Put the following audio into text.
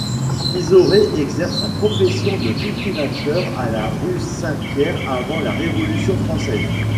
Isoré exerce la profession de cultivateur à La Rue-Saint-Pierre avant la Révolution française.